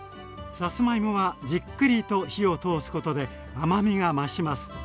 さつまいもはじっくりと火を通すことで甘みが増します。